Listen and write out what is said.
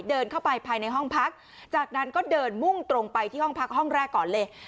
เดินเข้าไปภายในห้องพักจากนั้นก็เดินมุ่งตรงไปที่ห้องพักห้องแรกก่อนเลย